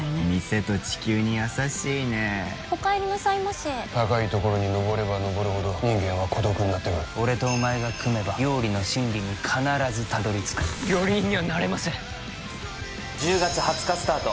店と地球に優しいね・お帰りなさいませ高い所にのぼればのぼるほど人間は孤独になってく俺とお前が組めば料理の真理に必ずたどり着く料理人にはなれません１０月２０日スタート